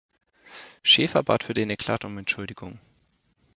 Schäfer bat für den Eklat um Entschuldigung.